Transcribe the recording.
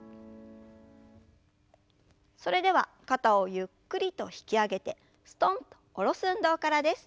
それでは肩をゆっくりと引き上げてすとんと下ろす運動からです。